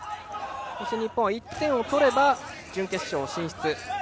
日本は１点を取れば準決勝進出。